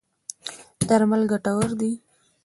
درمل ګټور دی.